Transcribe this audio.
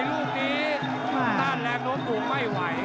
นั่นแหลกโดดขุมไม่ไหว